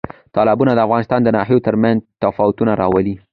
تالابونه د افغانستان د ناحیو ترمنځ تفاوتونه راولي.